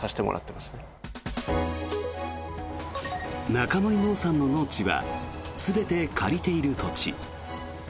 中森農産の農地は全て借りている土地。